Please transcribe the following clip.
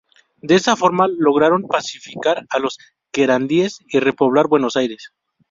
De esa forma lograron pacificar a los querandíes y repoblar Buenos Aires.